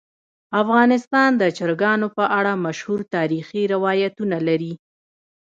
افغانستان د چرګانو په اړه مشهور تاریخی روایتونه لري.